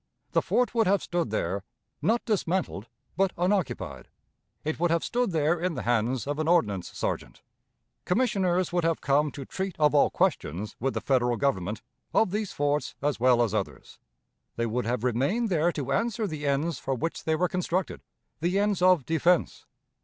The fort would have stood there, not dismantled, but unoccupied. It would have stood there in the hands of an ordnance sergeant. Commissioners would have come to treat of all questions with the Federal Government, of these forts as well as others. They would have remained there to answer the ends for which they were constructed the ends of defense.